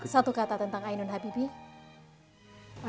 satu kata tentang ainun habibie